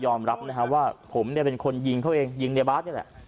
รับนะฮะว่าผมเนี่ยเป็นคนยิงเขาเองยิงในบาสนี่แหละ